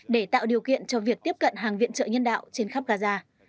để tạo điều kiện cho việc tiếp cận hàng viện trợ nhân đạo trên khắp gaza